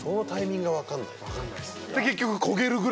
結局。